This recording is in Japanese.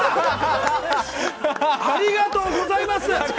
ありがとうございます！